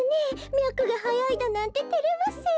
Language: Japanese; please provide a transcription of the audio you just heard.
みゃくがはやいだなんててれますよ。